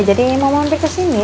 jadi mau mampir ke sini